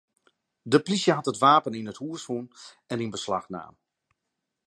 De plysje hat it wapen yn it hús fûn en yn beslach naam.